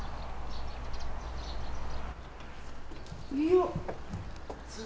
よっ！